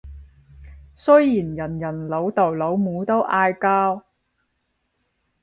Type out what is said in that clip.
雖然人人老豆老母都嗌交